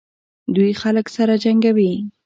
دوی خلک سره جنګوي.